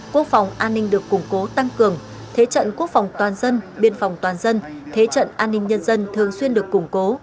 quốc phòng an ninh được củng cố tăng cường thế trận quốc phòng toàn dân biên phòng toàn dân thế trận an ninh nhân dân thường xuyên được củng cố